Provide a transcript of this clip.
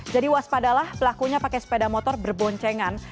jadi waspadalah pelakunya pakai sepeda motor berboncengan